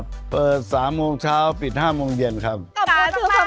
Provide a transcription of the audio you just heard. ต่อให้เราพูดอะไรอย่างไรเขาก็ไม่เขียนเขาก็ฟัง